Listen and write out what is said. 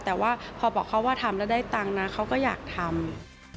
แต่ว่าพอบอกเขาว่าทำแล้วได้ตังค์นะเขาก็อยากทำ